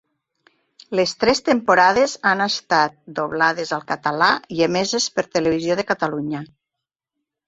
Les tres temporades han estat doblades al català i emeses per Televisió de Catalunya.